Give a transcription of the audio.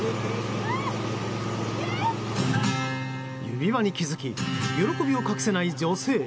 指輪に気づき喜びを隠せない女性。